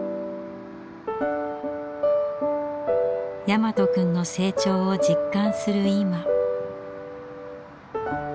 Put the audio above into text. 大和くんの成長を実感する今。